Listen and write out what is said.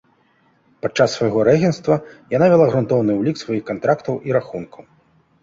Падчас свайго рэгенцтва яна вяла грунтоўны ўлік сваіх кантрактаў і рахункаў.